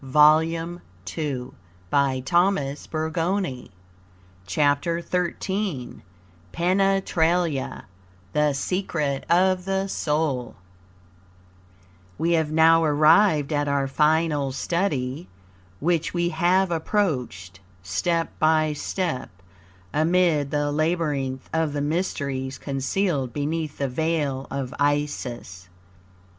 "THY KINGDOM COME." (Zanoni) April, 1893 CHAPTER XII PENETRALIA THE SECRET OF THE SOUL We have now arrived at our final study, which we have approached step by step amid the labyrinth of the mysteries concealed beneath the Veil of Isis.